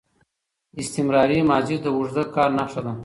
استمراري ماضي د اوږده کار نخښه ده.